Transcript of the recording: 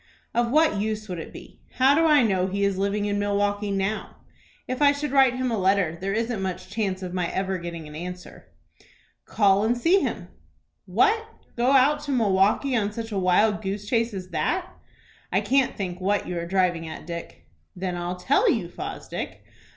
"Of what use would it be? How do I know he is living in Milkwaukie now? If I should write him a letter, there isn't much chance of my ever getting an answer." "Call and see him." "What, go out to Milwaukie on such a wild goose chase as that? I can't think what you are driving at, Dick." "Then I'll tell you, Fosdick.